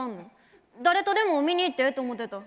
誰とでも見に行ってええと思ってた。